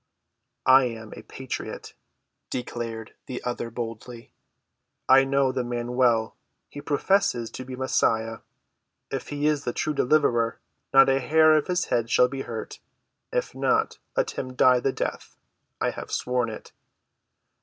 "I am a patriot," declared the other boldly. "I know the man well. He professes to be Messiah. If he is the true Deliverer not a hair of his head shall be hurt; if not, let him die the death. I have sworn it."